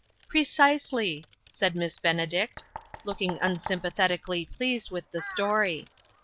"Precisely," said Miss Benedict, looking unsympathetically pleased with the story.